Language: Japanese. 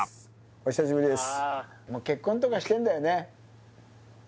お久しぶりです